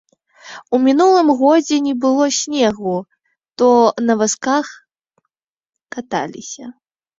У мінулым годзе не было снегу, то на вазках каталіся.